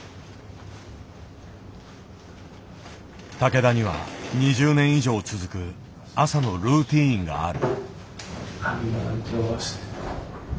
竹田には２０年以上続く朝のルーティーンがある。